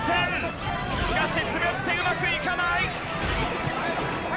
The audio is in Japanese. しかし滑ってうまくいかない！